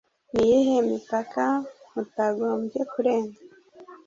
ni iyihe mipaka mutagombye kurenga